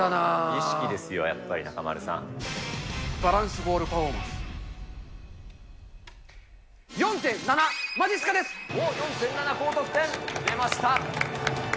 意識ですよ、やっぱり、バランスボールパフォーマンス、おっ、４．７、高得点、出ました。